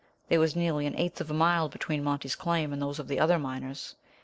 There was nearly an eighth of a mile between Monty's claim and those of the other miners.